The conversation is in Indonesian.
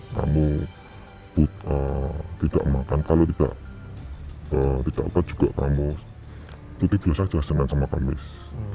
kalau kamu tidak makan kalau tidak apa juga kamu putih biasa jelas dengan selamat kamis